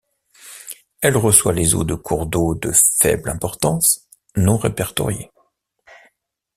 Elle reçoit les eaux de cours d'eau de faible importance, non répertoriés.